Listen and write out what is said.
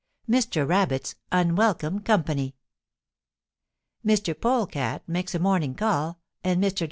MR. RABBIT'S UNWELCOME COMPANY MR. POLECAT MAKES A MORNING CALL AND MR.